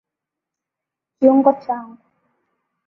Kiungo changu.